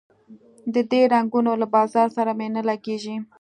د دې رنګونو له بازار سره مي نه لګیږي